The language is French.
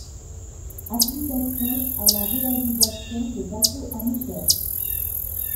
Application à la réalisation de bateaux à moteurs.